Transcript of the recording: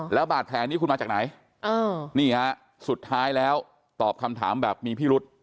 แล้วบาดแผลนี้คุณมาจากไหนนี่ฮะสุดท้ายแล้วตอบคำถามแบบมีพิรุษ